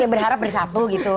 makin berharap bersatu gitu